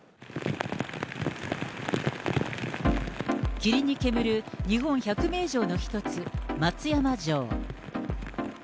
霧に煙る日本１００名城の１つ、松山城。